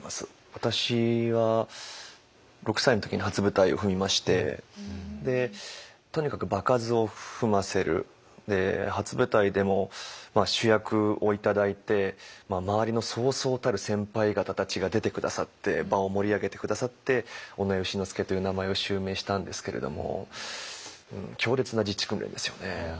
私は６歳の時に初舞台を踏みましてとにかく場数を踏ませる初舞台でも主役を頂いて周りのそうそうたる先輩方たちが出て下さって場を盛り上げて下さって尾上丑之助という名前を襲名したんですけれども強烈な実地訓練ですよね。